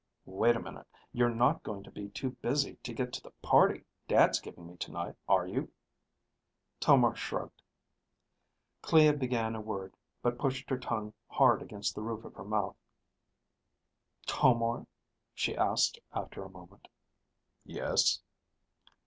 Wait a minute. You're not going to be too busy to get to the party Dad's giving me tonight, are you?" Tomar shrugged. Clea began a word, but pushed her tongue hard against the roof of her mouth. "Tomar?" she asked after a moment. "Yes?"